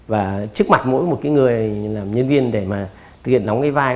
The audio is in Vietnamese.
và trước mặt mỗi một người nhân viên để thực hiện đóng cái vai